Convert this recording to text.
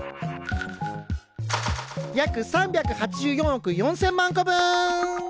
約３８４億４０００万個分！